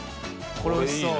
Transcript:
これおいしそう！